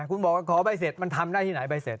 คุณบอกว่าขอใบเสร็จมันทำได้ที่ไหนใบเสร็จ